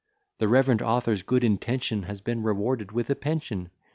The rev'rend author's good intention Has been rewarded with a pension.